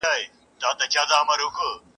لېونتوب یم راوستلی زولانې چي هېر مه نه کې ..